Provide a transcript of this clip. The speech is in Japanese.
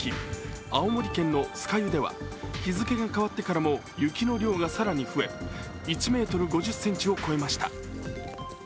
青森県の酸ヶ湯では日付が変わってからも雪の量が更に増え１ｍ５０ｃｍを超えました。